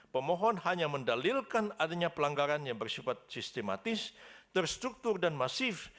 pemohon hanya mendalilkan adanya pelanggaran yang bersifat sistematis terstruktur dan masif